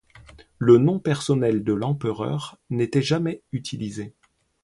Le nom personnel de l'empereur n'était jamais utilisé.